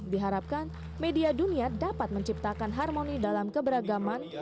diharapkan media dunia dapat menciptakan harmoni dalam keberagaman